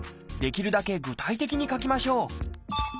できるだけ具体的に書きましょう。